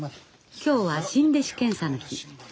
今日は新弟子検査の日。